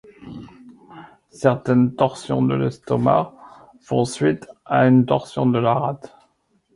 Certaines torsions de l'estomac font suite à une torsion de la rate.